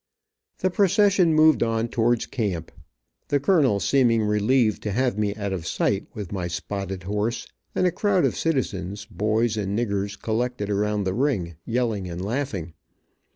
The procession moved on towards camp, the colonel seeming relieved to have me out of sight, with my spotted horse, and a crowd of citizens, boys and niggers collected around the ring, yelling and laughing.